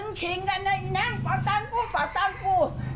เออก็ดึงทิ้งกันนะไอ้นางปล่อยตามกูปล่อยตามกู